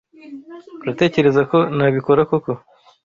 Uratekereza ko nabikora koko?